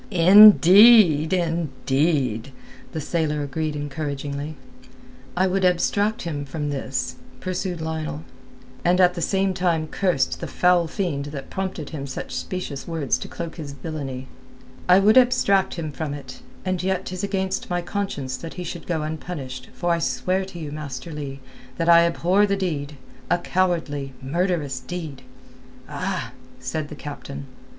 "Indeed, indeed!" the sailor agreed encouragingly. "I would abstract him from this," pursued Lionel, and at the same time cursed the foul fiend that prompted him such specious words to cloak his villainy. "I would abstract him from it, and yet 'tis against my conscience that he should go unpunished for I swear to you, Master Leigh, that I abhor the deed—a cowardly, murderous deed!" "Ah!" said the captain.